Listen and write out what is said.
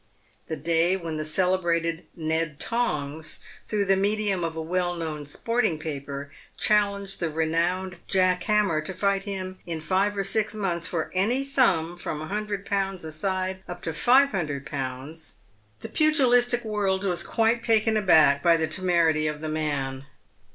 The day when the celebrated Ned Tongs, through the medium of a well known sporting paper, challenged the renowned Jack Hammer to fight him in five or six months for any sum from 100Z. aside up to 500Z., the pugilistic world was quite taken aback by the temerity of the man.